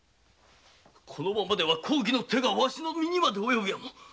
このままでは公儀の手がわしの身にまで及ぶやも。